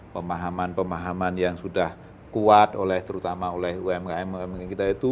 pemahaman pemahaman yang sudah kuat terutama oleh umkm umkm kita itu